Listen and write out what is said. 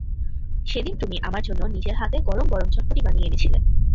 সেদিন তুমি আমার জন্য নিজের হাতে গরম গরম চটপটি বানিয়ে এনেছিলে।